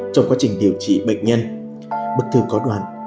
trong quá trình điều trị bệnh nhân bức thư có đoàn